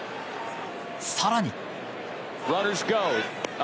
更に。